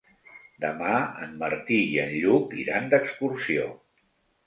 Demà en Martí i en Lluc iran d'excursió.